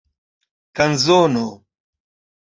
kanzono